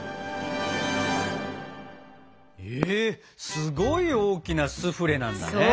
えすごい大きなスフレなんだね！